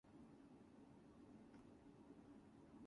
They were often called the "dissenting brethren" in the Assembly.